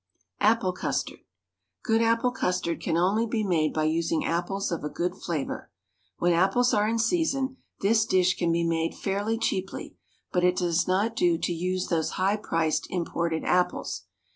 APPLE CUSTARD. Good apple custard can only be made by using apples of a good flavour. When apples are in season, this dish can be made fairly cheaply, but it does not do to use those high priced imported apples.